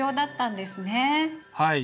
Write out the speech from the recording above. はい。